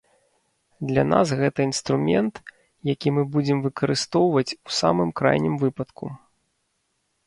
Для нас гэта інструмент, які мы будзем выкарыстоўваць у самым крайнім выпадку.